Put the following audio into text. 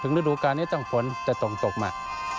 ถึงฤดูกาลนี้ต้องพ้นจะตกมา